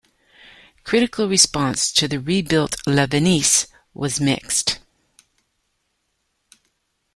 Critical response to the rebuilt La Fenice was mixed.